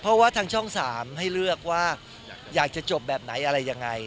เพราะว่าทางช่อง๓ให้เลือกว่าอยากจะจบแบบไหนอะไรยังไง